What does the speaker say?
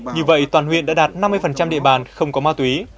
như vậy toàn huyện đã đạt năm mươi địa bàn không có ma túy